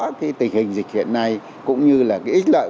thì tình hình dịch hiện nay cũng như là cái ít lợi